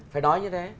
phải nói như thế